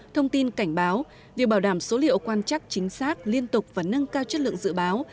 thông tin cảnh báo việc bảo đảm số liệu quan chắc chính xác liên tục và nâng cao chất lượng dự báo